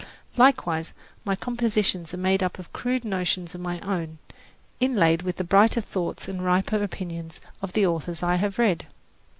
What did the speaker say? Likewise my compositions are made up of crude notions of my own, inlaid with the brighter thoughts and riper opinions of the authors I have read.